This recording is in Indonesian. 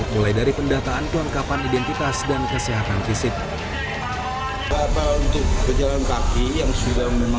mereka menaiki kapal di dermaga eksekutif setelah menjalani serangkaian proses